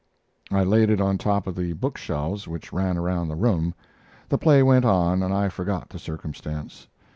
I laid it on the top of the book shelves which ran around the room. The play went on, and I forgot the circumstance.